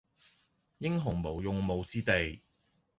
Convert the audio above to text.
英雄無用武之地